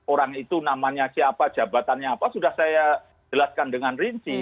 orang itu namanya siapa jabatannya apa sudah saya jelaskan dengan rinci